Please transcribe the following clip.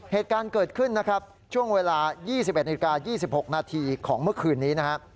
เหตุการณ์เกิดขึ้นนะครับช่วงเวลา๒๑นาฬิกา๒๖นาทีของเมื่อคืนนี้นะครับ